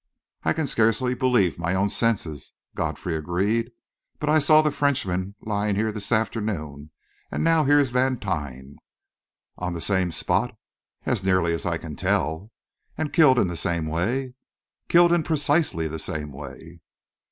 "I can scarcely believe my own senses," Godfrey agreed. "But I saw the Frenchman lying here this afternoon; and now here's Vantine." "On the same spot?" "As nearly as I can tell." "And killed in the same way?" "Killed in precisely the same way."